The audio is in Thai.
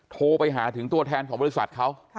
โทรไปหาถึงตัวแทนของบริษัทเขา